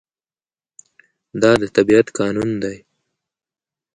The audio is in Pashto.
دا د طبیعت قانون دی.